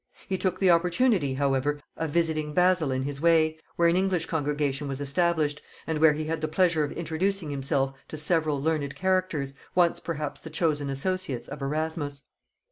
He took the opportunity however of visiting Basil in his way, where an English congregation was established, and where he had the pleasure of introducing himself to several learned characters, once perhaps the chosen associates of Erasmus.